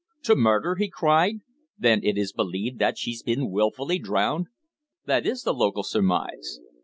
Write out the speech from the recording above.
"To murder!" he cried. "Then is it believed that she's been wilfully drowned?" "That is the local surmise."